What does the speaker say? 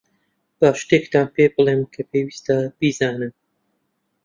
با شتێکتان پێبڵێم کە پێویستە بیزانن.